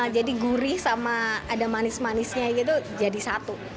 jadi gurih sama ada manis manisnya gitu jadi satu